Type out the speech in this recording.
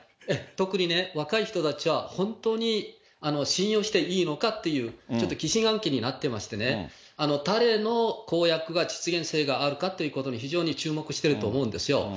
特にね、若い人たちは本当に信用していいのかっていう、ちょっと疑心暗鬼になってましてね、誰の公約が実現性があるかっていうことに、非常に注目していると思うんですよ。